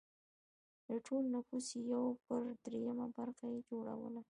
د ټول نفوس یو پر درېیمه برخه یې جوړوله